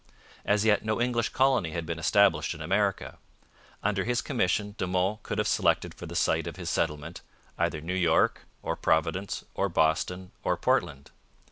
As yet no English colony had been established in America. Under his commission De Monts could have selected for the site of his settlement either New York or Providence or Boston or Portland.